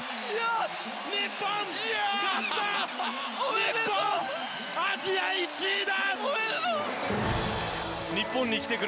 日本勝った、アジア１位だ！